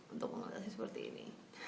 untuk mengatasi seperti ini